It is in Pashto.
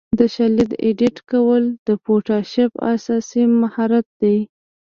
د شالید ایډیټ کول د فوټوشاپ اساسي مهارت دی.